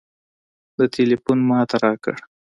ده ټېلفون ما ته راکړ.